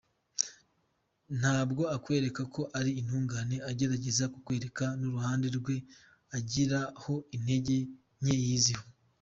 Ntabwo akwereka ko ari intungane, agerageza kukwereka n’uruhande rwe agiraho intege nke yiyiziho.